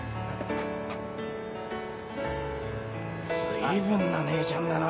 随分な姉ちゃんだな。